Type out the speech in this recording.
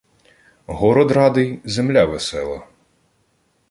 Город радий, земля весела